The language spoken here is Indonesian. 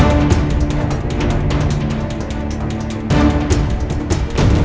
ruangan apa ini